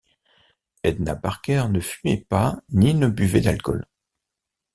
Edna Parker ne fumait pas ni ne buvait d'alcool.